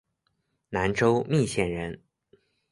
南州密县人。